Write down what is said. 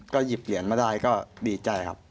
หยิบเหรียญมาได้ก็ดีใจครับ